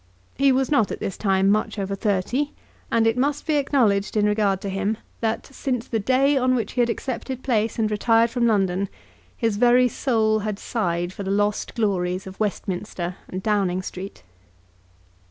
He was not at this time much over thirty; and it must be acknowledged in regard to him that, since the day on which he had accepted place and retired from London, his very soul had sighed for the lost glories of Westminster and Downing Street.